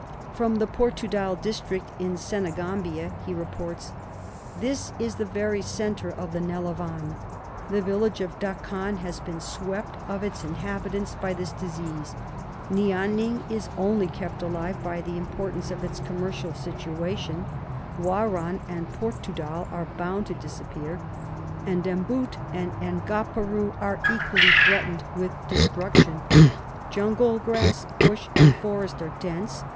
Prom the Portudal district (in Senegambia) he reports : "This is the very centre of the Nelavane. The village of Dakann has been swept of its inhabitants by this disease, Nianing IS only kept alive by the importance of its commercial situation, Warann and Portudal are bound to disappear, and M'Bout and N'Gaparou are equally threatened with de struction. Jungle grass, bush and forest are dense.